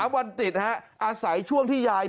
วันติดอาศัยช่วงที่ยาย